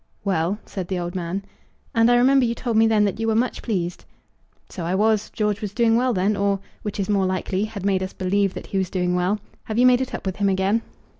"Well," said the old man. "And I remember you told me then that you were much pleased." "So I was. George was doing well then; or, which is more likely, had made us believe that he was doing well. Have you made it up with him again?"